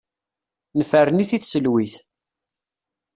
Nefren-it i tselwit.